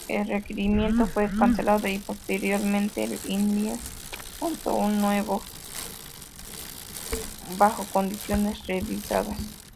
El requerimiento fue cancelado y posteriormente India lanzó uno nuevo, bajo condiciones revisadas.